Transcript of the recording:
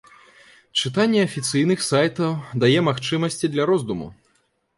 Чытанне афіцыйных сайтаў дае магчымасці для роздуму.